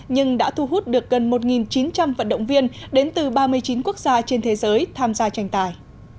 nhưng đã thu hút được gần một chín trăm linh vận động viên đến từ ba mươi chín quốc gia trên thế giới tham gia tranh tài